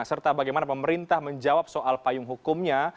serta bagaimana pemerintah menjawab soal payung hukumnya